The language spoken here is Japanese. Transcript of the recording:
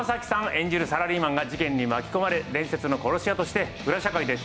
演じるサラリーマンが事件に巻き込まれ伝説の殺し屋として裏社会で奮闘する物語です。